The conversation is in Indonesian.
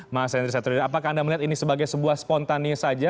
mas andri satrio apakah anda melihat ini sebagai sebuah spontanis saja